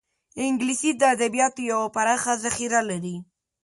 انګلیسي د ادبیاتو یوه پراخه ذخیره لري